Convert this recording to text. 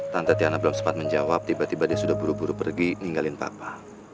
tante tiana belum sempat menjawab tiba tiba dia sudah buru buru pergi ninggalin papa